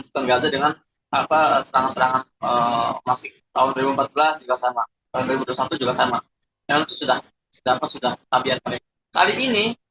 dua ribu empat belas dua ribu dua belas juga sama sudah sudah tapi kali ini